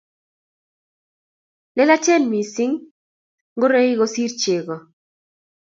Lelachen missing ngoroikyik kosir chego.